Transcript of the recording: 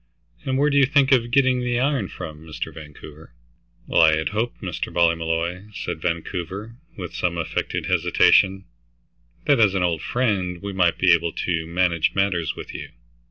And where do you think of getting the iron from, Mr. Vancouver?" "Well, I had hoped, Mr. Ballmolly," said Vancouver, with some affected hesitation, "that as an old friend, we might be able to manage matters with you.